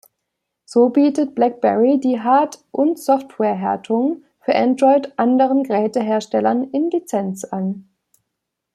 So bietet Blackberry die Hard- und Software-Härtungen für Android anderen Geräteherstellern in Lizenz an.